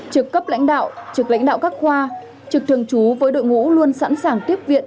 trực cấp lãnh đạo trực lãnh đạo các khoa trực thường trú với đội ngũ luôn sẵn sàng tiếp viện